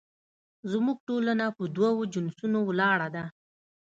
زموږ ټولنه په دوو جنسونو ولاړه ده